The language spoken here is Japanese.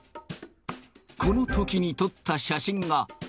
このときに撮った写真が。